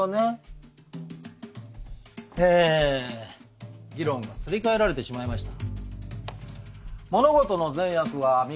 え議論がすり替えられてしまいました。